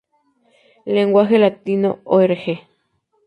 Lenguaje Latino Org.